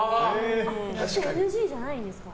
ＮＧじゃないんですか？